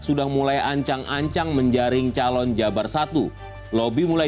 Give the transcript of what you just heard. sudah mulai ancang ancang menjaring calon jabar satu lobby mulai dilancarkan sejumlah nama mulai